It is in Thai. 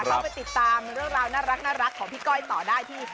เราไปติดตามเรื่องราวน่ารักของพี่ก้อยต่อได้ที่